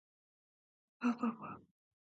あふぁふぁ